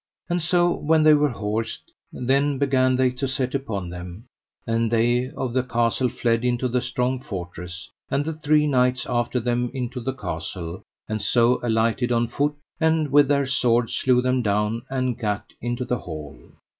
And so when they were horsed then began they to set upon them; and they of the castle fled into the strong fortress, and the three knights after them into the castle, and so alighted on foot, and with their swords slew them down, and gat into the hall.